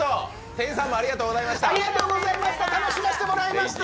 店員さんもありがとうございました。